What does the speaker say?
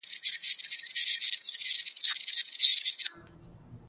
ملالۍ د ښځو لپاره د غیرت نمونه سوه.